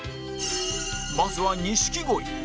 まずは錦鯉